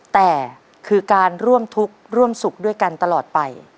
แต่คือการร่วมทุกข์ร่วมสุขด้วยกันตลอดไป